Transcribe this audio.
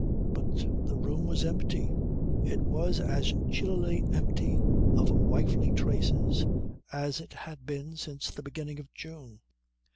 But the room was empty. It was as chillily empty of wifely traces as it had been since the beginning of June.